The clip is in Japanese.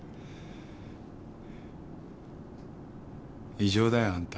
異常だよあんた。